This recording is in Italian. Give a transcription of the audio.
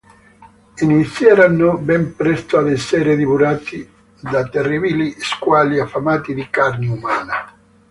Inizieranno ben presto ad essere divorati da terribili squali affamati di carne umana.